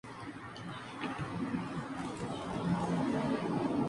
El interior es casi plano y relativamente sin rasgos distintivos.